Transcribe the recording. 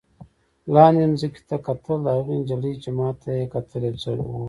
لاندې ځمکې ته کتل، هغې نجلۍ چې ما ته یې کتل یو څه وویل.